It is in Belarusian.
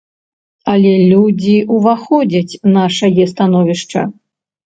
Але людзі ўваходзяць нашае становішча.